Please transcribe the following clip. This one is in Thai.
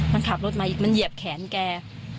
มันขับรถมาอีกมันเหยียบแขนแก